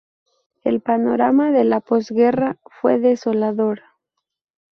El panorama de la Posguerra fue desolador.